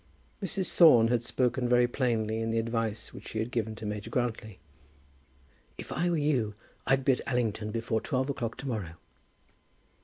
Mrs. Thorne had spoken very plainly in the advice which she had given to Major Grantly. "If I were you, I'd be at Allington before twelve o'clock to morrow."